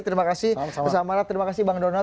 terima kasih bang donald